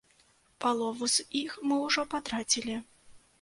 Палову з іх мы ўжо патрацілі.